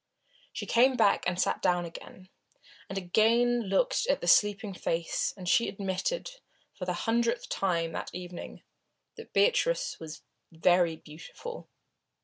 She came back and sat down again, and again looked at the sleeping face, and she admitted for the hundredth time that evening, that Beatrice was very beautiful.